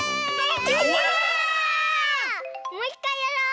もういっかいやろう！